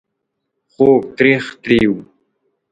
خوږ .. تریخ ... تریو ...